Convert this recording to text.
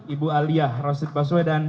ibu alia rasid baswedan